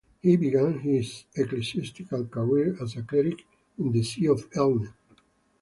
He began his ecclesiastical career as a cleric in the see of Elne.